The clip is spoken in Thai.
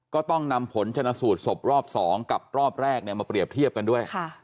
ก็ต้องนำผลชนะสูตรศพรอบ๒กับรอบแรกมาเปรียบเทียบกันด้วย